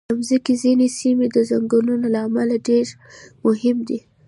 د مځکې ځینې سیمې د ځنګلونو له امله ډېر مهم دي.